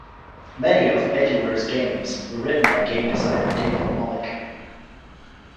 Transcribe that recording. Many of Edu-Ware's games were written by game designer David Mullich.